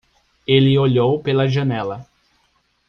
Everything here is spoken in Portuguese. Ele olhou pela janela.